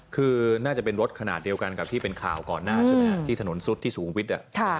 คือน่าจะเป็นรถขนาดเดียวกันกับที่เป็นข่าวก่อนหน้าใช่ไหมที่ถนนซุดที่สูงวิทย์